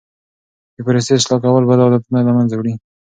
د پروسې اصلاح کول بد عادتونه له منځه وړي.